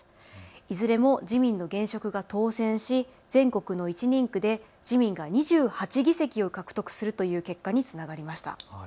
いずれも自民の現職が当選し全国の１人区で自民が２８議席を獲得するという結果につながりました。